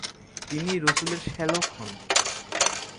তিনি রসুলের শ্যালক হন।